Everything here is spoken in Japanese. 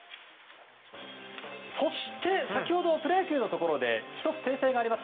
そして先ほどプロ野球のところで１つ訂正があります。